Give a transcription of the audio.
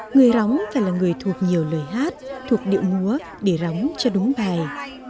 người róng phải là người thuộc nhiều lời hát thuộc điệu múa để róng cho đúng bài